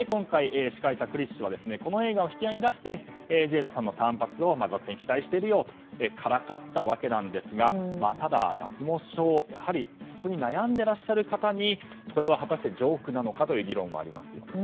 司会者のクリス氏はこの映画を引き合いに出してジェイダさんの短髪を続編期待しているよとからかったわけなんですがただ、脱毛症そこに悩んでいらっしゃる方にこれは果たしてジョークなのかという議論もあります。